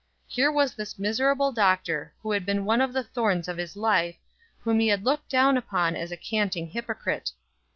Here was this miserable doctor, who had been one of the thorns of his life, whom he had looked down upon as a canting hypocrite.